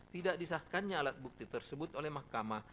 tidak disahkannya alat bukti tersebut oleh mahkamah